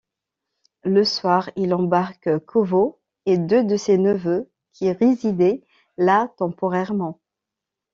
Le soir, ils embarquent Covo et deux de ses neveux qui résidaient là temporairement.